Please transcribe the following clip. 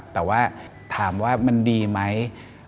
แต่ว่าถามว่ามันดีไหม